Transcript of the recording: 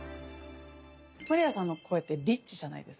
まりやさんの声ってリッチじゃないですか？